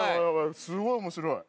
すごい面白い。